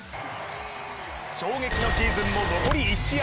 衝撃のシーズンも残り１試合。